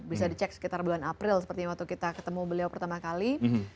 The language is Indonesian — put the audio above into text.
bisa dicek sekitar bulan april seperti waktu kita ketemu beliau pertama kali